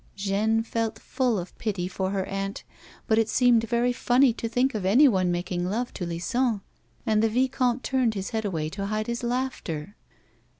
Jeanne felt full of pity for her aunt, but it seemed very funny to think of anyone making love to Lison, and the vicomte turned his head away to hide his laughter.